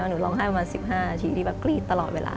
ว่าหนูร้องไห้ประมาณ๑๕ชีวิตที่กรีดตลอดเวลา